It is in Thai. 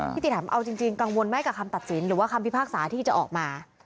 ติถามเอาจริงกังวลไหมกับคำตัดสินหรือว่าคำพิพากษาที่จะออกมา